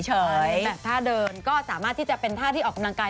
แต่ถ้าเดินก็สามารถที่จะเป็นท่าที่ออกกำลังกาย